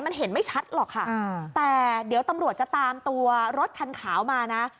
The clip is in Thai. มันเห็นไม่ชัดหรอกค่ะแต่เดี๋ยวตำรวจจะตามตัวรถคันขาวมานะ